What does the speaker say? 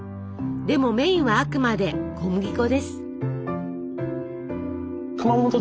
でもメインはあくまで小麦粉です。